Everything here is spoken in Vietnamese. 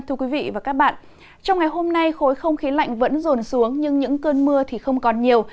trong ngày hôm nay khối không khí lạnh vẫn rồn xuống nhưng những cơn mưa thì không còn nhiều